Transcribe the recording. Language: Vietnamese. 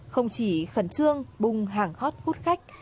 không chỉ khẩn trương bung hàng hót hút khách